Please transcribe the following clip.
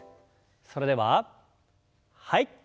それでははい。